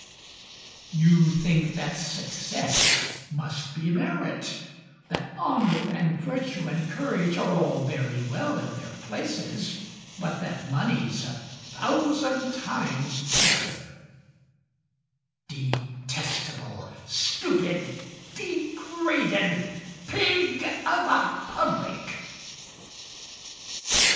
You think that success must be merit, That honour and virtue and courage Are all very well in their places, But that money's a thousand times better; Detestable, stupid, degraded Pig of a public!